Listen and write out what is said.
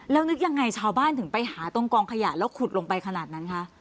แล้วนึกยังไงชาวบ้านถึงไปหาตรงกองขยะแล้วขุดลงไปขนาดนั้นคะ